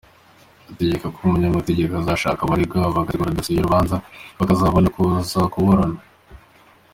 Ategeka ko umunyamategeko azashaka abaregwa bagategura dosiye y’urubanza bakazabona kuza kuburana.